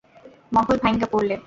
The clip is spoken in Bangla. মহল ভাইঙা পড়লে?